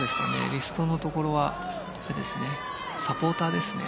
リストのところはサポーターですね。